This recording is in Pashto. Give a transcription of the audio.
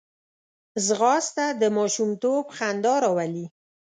ځغاسته د ماشومتوب خندا راولي